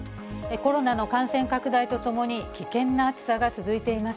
コロナの感染拡大とともに、危険な暑さが続いています。